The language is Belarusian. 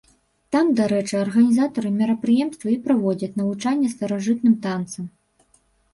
Там, дарэчы, арганізатары мерапрыемства і праводзяць навучанне старажытным танцам.